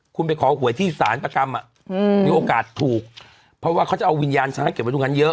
คุณไปขอหวยที่สารประกรรมมีโอกาสถูกเพราะว่าเขาจะเอาวิญญาณช้างเก็บไว้ตรงนั้นเยอะ